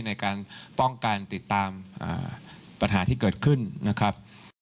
ในการป้องกันติดตามปัญหาที่เกิดขึ้นนะครับ